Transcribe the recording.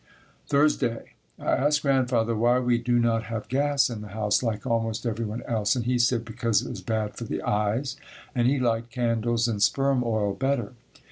Thursday. I asked Grandfather why we do not have gas in the house like almost every one else and he said because it was bad for the eyes and he liked candles and sperm oil better.